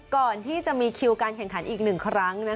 ก่อนที่จะมีคิวการแข่งขันอีก๑ครั้ง